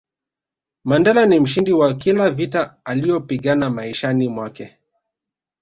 Mandela ni mshindi wa kila vita aliyopigana maishani mwake